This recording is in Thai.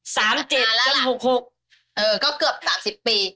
สามเจ็ดจนหกแล้วละนานละละเออก็เกือบ๓๐ปี